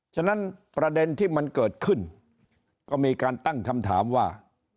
ฉะนั้นประเด็นที่มันเกิดขึ้นก็มีการตั้งคำถามว่า